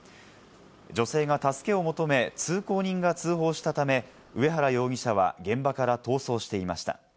女性が助けを求め、通行人が通報したため、上原容疑者は現場から逃走していました。